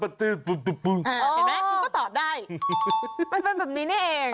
มันเป็นแบบนี้นี่เอง